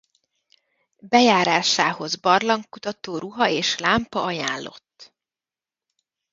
Bejárásához barlangkutató ruha és lámpa ajánlott.